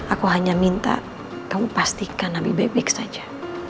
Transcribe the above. aku hanya minta kamu pastikan nabi bebek saja